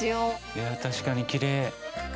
いやあ確かにきれい。